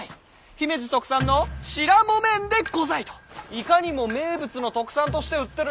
姫路特産の白木綿でござい！」といかにも名物の特産として売ってる。